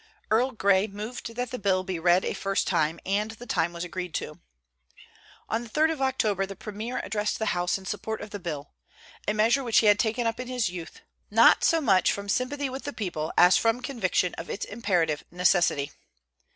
Earl Grey moved that the bill be read a first time, and the time was agreed to. On the 3d of October the premier addressed the House in support of the bill, a measure which he had taken up in his youth, not so much from sympathy with the people as from conviction of its imperative necessity.